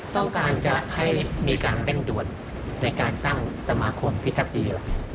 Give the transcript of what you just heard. ต้องการจะให้มีการเร่งด่วนในการตั้งสมาคมพิทักษีหลัก